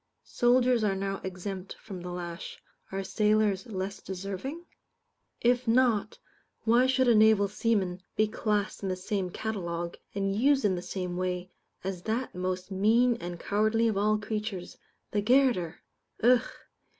Soldiers are now exempt from the lash; are sailors less deserving? If not, why should a naval seaman be classed in the same catalogue, and used in the same way, as that most mean and cowardly of all creatures the garotter? Ugh!